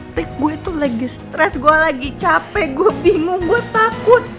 prik gue tuh lagi stress gue lagi capek gue bingung gue takut